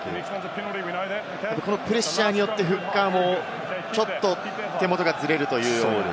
このプレッシャーによってフッカーもちょっと手元がずれるという。